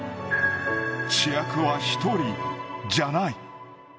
主役は一人じゃない。